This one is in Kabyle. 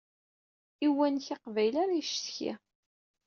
I uwanek aqbayli ara icetki.